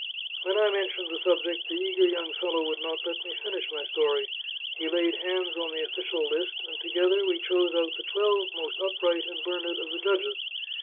When I mentioned the subject, the eager young fellow would not let me finish my story; he laid hands on the official list, and together we chose out the twelve most upright and learned of the judges.